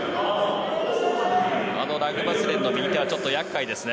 あのラグバスレンの右手はちょっと厄介ですね。